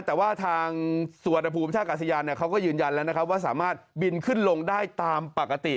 แต่ว่าทางสุวรรณภูมิท่ากาศยานเขาก็ยืนยันแล้วนะครับว่าสามารถบินขึ้นลงได้ตามปกติ